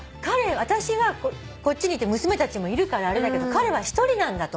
私はこっちにいて娘たちもいるからあれだけど彼は一人なんだと。